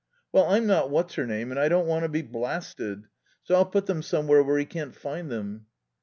"Well, I'm not What's her name, and I don't want to be blasted. So I'll put them somewhere where he can't find them."